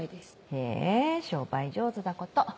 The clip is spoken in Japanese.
へぇ商売上手だこと。